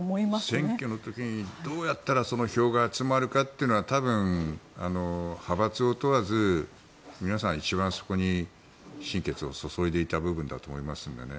選挙の時に、どうやったら票が集まるかというのは多分、派閥を問わず皆さん一番そこに心血を注いでいた部分だと思いますのでね。